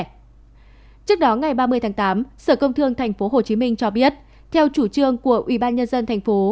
trước đó ngày ba mươi tháng tám sở công thương tp hcm cho biết theo chủ trương của ubnd tp